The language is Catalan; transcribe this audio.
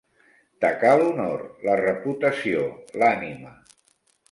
Tacar l'honor, la reputació, l'ànima.